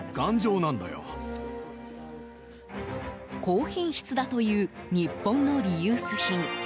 高品質だという日本のリユース品。